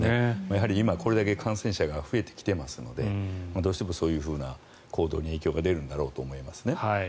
やはり今、これだけ感染者が増えてきていますのでどうしてもそういうふうな行動に影響が出るんだろうなと思いますね。